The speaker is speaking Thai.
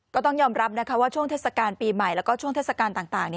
ก็ต้องยอมรับนะคะว่าช่วงเทศกาลปีใหม่แล้วก็ช่วงเทศกาลต่าง